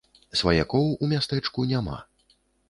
Сваякоў у мястэчку няма.